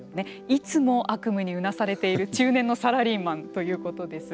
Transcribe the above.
いつも悪夢にうなされている中年のサラリーマンということです。